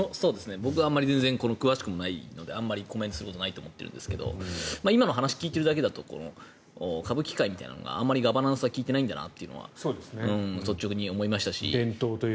僕は全然詳しくないのであまりコメントすることないと思っていますが今の話を聞いているだけだと歌舞伎界というのはあまりガバナンスが利いてないんだなと率直に思いましたし。